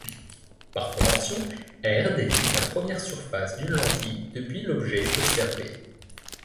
Par convention, R désigne la première surface d'une lentille depuis l'objet observé.